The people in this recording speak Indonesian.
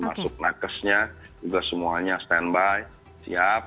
masuk naik kasnya juga semuanya standby siap